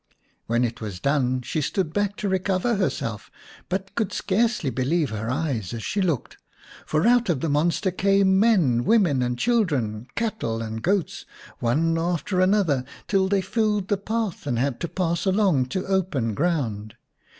"When it was done she stood back to recover herself, but could scarcely believe her eyes as she looked. For out of the monster came men, women, and children, cattle and goats, one after another, till they filled the path and had to pass along to open ground.